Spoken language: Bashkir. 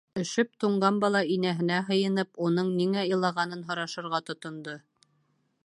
Өшөп-туңған бала инәһенә һыйынып, уның ниңә илағанын һорашырға тотондо.